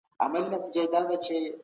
جنایتکار باید خپلي سزا ته ورسېږي.